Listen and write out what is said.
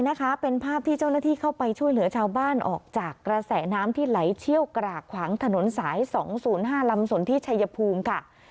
นะคะเป็นภาพที่เจ้าหน้าที่เข้าไปช่วยเหลือชาวบ้านออกจากกระแสน้ำที่ไหลเชี่ยวกรากขวางถนนสาย๒๐๕ลำสนที่ชัยภูมิค่ะ